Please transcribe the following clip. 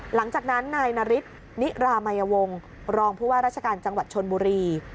หลังจากนั้นนายนาริสนิรามัยวงศ์รองผู้ว่าราชการจังหวัดชนบุรี